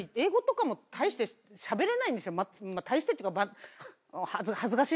大してっていうか。